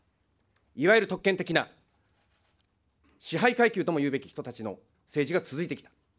いわゆる特権的な支配階級ともいうべき人たちの政治が続いてきた。